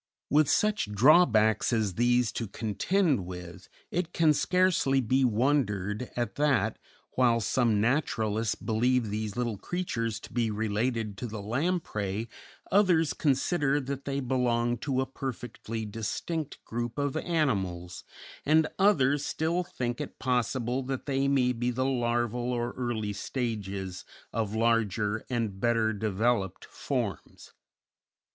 With such drawbacks as these to contend with, it can scarcely be wondered at that, while some naturalists believe these little creatures to be related to the lamprey, others consider that they belong to a perfectly distinct group of animals, and others still think it possible that they may be the larval or early stages of larger and better developed forms.